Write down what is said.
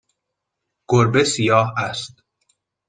گربه سیاه است.